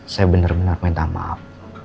saya bener bener minta maaf